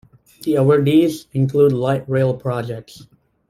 The awardees include light rail projects.